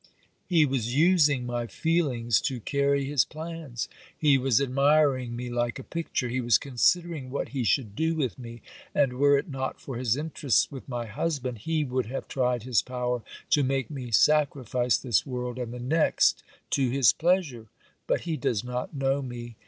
'He was using my feelings to carry his plans; he was admiring me like a picture; he was considering what he should do with me; and were it not for his interests with my husband, he would have tried his power to make me sacrifice this world and the next to his pleasure. But he does not know me.